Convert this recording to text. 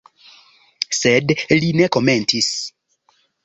Sed li ne komentis.